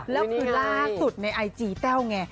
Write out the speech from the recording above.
แล้วคือล่าสุดในไอจีแต้วไง